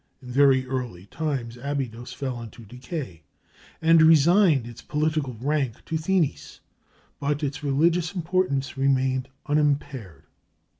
In very early times Abydos fell into decay, and resigned its political rank to Thinis, but its religious importance remained unimpaired.